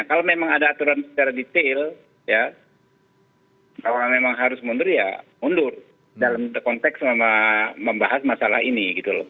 kalau memang ada aturan secara detail ya kalau memang harus mundur ya mundur dalam konteks membahas masalah ini gitu loh